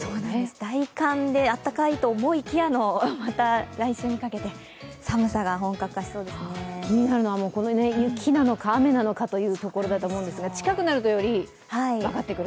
大寒であったかいと思いきやの来週にかけて気になるのはこの辺雪なのか、雨なのかというところだと思うんですが、近くなるとより分かってくる？